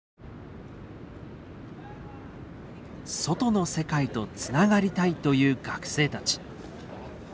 外の世界とつながりたいという学生たち。